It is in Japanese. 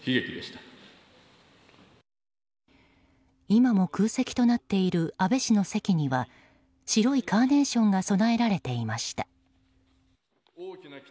今も空席となっている安倍氏の席には白いカーネーションが供えられていました。